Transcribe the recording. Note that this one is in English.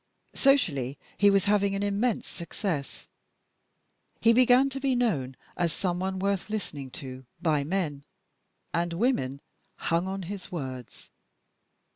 Socially he was having an immense success. He began to be known as some one worth listening to by men, and women hung on his words.